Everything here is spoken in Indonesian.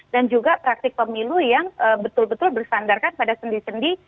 dan juga praktik pemilu yang betul betul bersandarkan pada sendi sendi